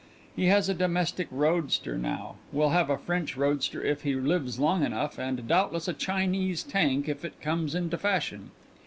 He has a domestic roadster now, will have a French roadster if he lives long enough, and doubtless a Chinese tank if it comes into fashion.